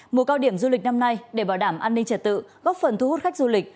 mùa cao điểm du lịch năm nay để bảo đảm an ninh trật tự góp phần thu hút khách du lịch